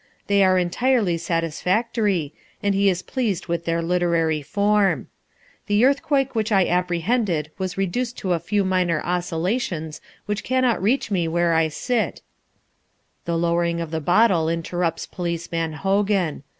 They are entirely satisfactory, and he is pleased with their literary form. The earthquake which I apprehended was reduced to a few minor oscillations which cannot reach me where I sit " The lowering of the bottle interrupts Policeman Hogan.